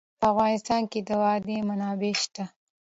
په افغانستان کې د وادي منابع شته.